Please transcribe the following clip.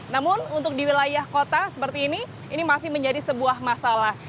namun untuk di wilayah kota seperti ini ini masih menjadi sebuah masalah